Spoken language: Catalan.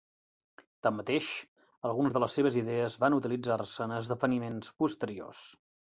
Tanmateix, algunes de les seves idees van utilitzar-se en esdeveniments posteriors.